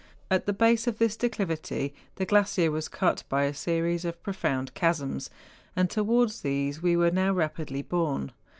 At the base of this declivity the glacier was cut by a series of profound chasms; and towards these we were now rapidly borne.